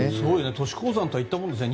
都市鉱山とは言ったものですね。